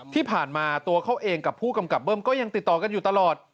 ที่ผ่านมาตัวเขาเองกับผู้กำกับเบิ้มก็ยังติดต่อกันอยู่ตลอด